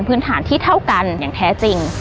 พื้นฐานที่เท่ากันอย่างแท้จริง